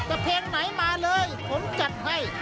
แต่เพลงไหนมาเลยผมจัดให้